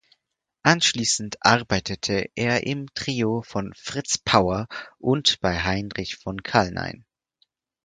Anschließend arbeitete er im Trio von Fritz Pauer und bei Heinrich von Kalnein.